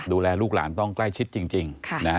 ดูแลลูกหลานต้องใกล้ชิดจริง